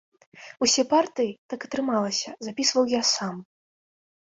Усе партыі, так атрымалася, запісваў я сам.